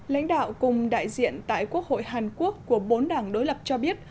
lãnh đạo cùng đại diện tại quốc hội hàn quốc của bốn đảng đối lập cho biết